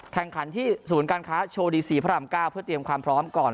แข่งขันที่ศูนย์การค้าโชว์ดีซีพระราม๙เพื่อเตรียมความพร้อมก่อน